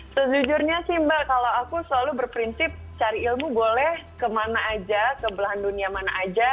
sejujurnya sih mbak kalau aku selalu berprinsip cari ilmu boleh kemana aja ke belahan dunia mana aja